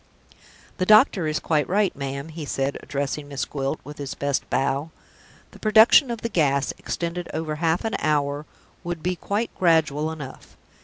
"The doctor is quite right, ma'am," he said, addressing Miss Gwilt, with his best bow; "the production of the gas, extended over half an hour, would be quite gradual enough.